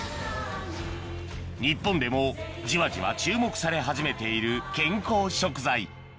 日本でもじわじわ注目され始めている健康食材